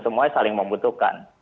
semuanya saling membutuhkan